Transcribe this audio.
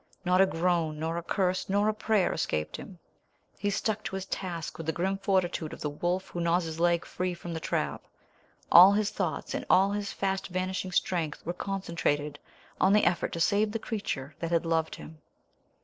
Not a groan nor a curse nor a prayer escaped him. He stuck to his task with the grim fortitude of the wolf who gnaws his leg free from the trap. All his thoughts and all his fast vanishing strength were concentrated on the effort to save the creature that had loved him.